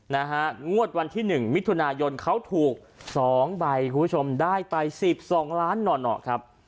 ๘๓๑๕๖๗นะฮะงวดวันที่๑มิถุนายนเขาถูก๒ใบคุณผู้ชมได้ไป๑๒ล้านหน่อครับ